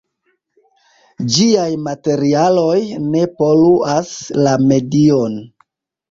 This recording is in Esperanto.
Ĝiaj materialoj ne poluas la medion.